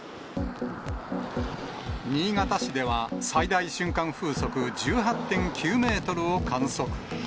新潟市では最大瞬間風速１８．９メートルを観測。